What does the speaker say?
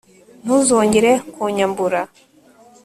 ntuzongera kunyambura